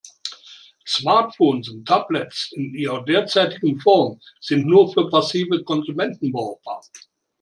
Smartphones und Tablets in ihrer derzeitigen Form sind nur für passive Konsumenten brauchbar.